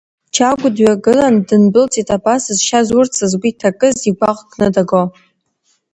Чагә дҩагылан, дындәылҵит, абас зшьа зурц згәы иҭакыз игәаӷ кны даго.